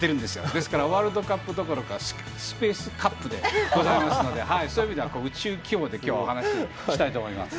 ですからワールドカップどころかスペースカップでございますのでそういう意味では宇宙規模で今日はお話したいと思います。